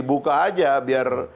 buka saja biar